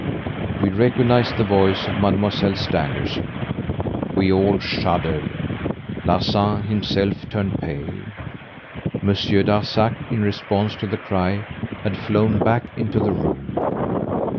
We recognised the voice of Mademoiselle Stangerson. We all shuddered. Larsan himself turned pale. Monsieur Darzac, in response to the cry, had flown back into the room.